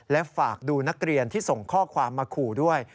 และฝากดูนักเรียนที่ส่งข้อความมาขู่ด้วย